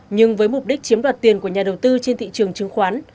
nhưng với mục đích chiếm đoạt tiền của nhà đầu tư trên thị trường chứng khoán